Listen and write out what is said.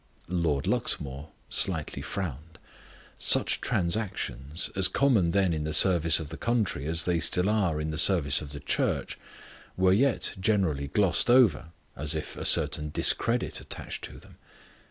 Lord Luxmore slightly frowned. Such transactions, as common then in the service of the country as they still are in the service of the Church, were yet generally glossed over, as if a certain discredit attached to them.